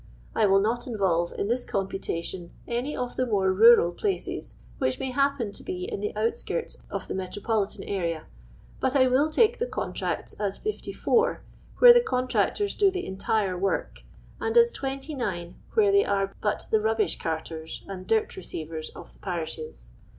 I will not involve in this computation any of the more rural places which may h:i]<pcn to be in the outskirts of the metropolitan area, but I will take the contracts as 51. wheri* the contiactors d) the entire work, and as '20 whore they are but the rubbish carters and dirt receivers of the parishes.